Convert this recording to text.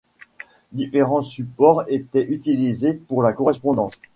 Différents supports étaient utilisés pour la correspondance.